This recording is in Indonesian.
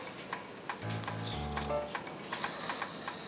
jadi ke match